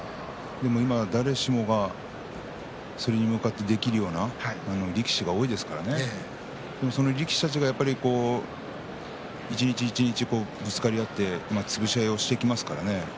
今は誰しもがそれに向かってできるような力士が多いですからその力士たちが一日一日ぶつかり合って潰し合いをしていきますからね。